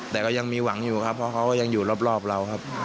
แต่ก็ยังมีหวังอยู่ครับเพราะเขาก็ยังอยู่รอบเราครับ